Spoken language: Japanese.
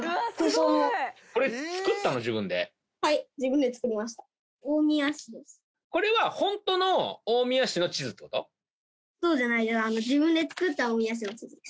そうじゃない自分で作った大宮市の地図です。